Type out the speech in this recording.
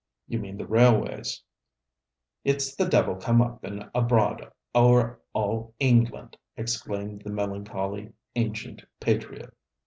'You mean the railways.' 'It's the Devil come up and abroad ower all England!' exclaimed the melancholy ancient patriot.